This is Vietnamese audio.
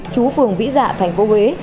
chú phường vĩ dạ tp huế